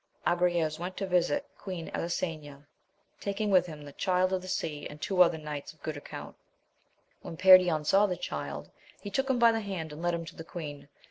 Agrayes went to visit Queen Elisena, taking with him the Child of the Sea, and two other knights of good account. When Perion saw the Child, he took him by the hand and led him to the queen.